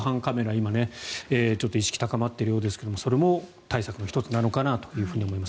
今、意識高まっているようですがそれも対策の１つなのかなというふうに思います。